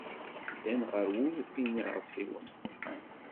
Ddan ɣer wurti n yiɣersiwen.